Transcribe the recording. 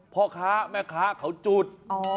พ่อค้าแม่ค้าเขาจุด